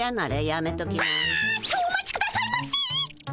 あっとお待ちくださいませ！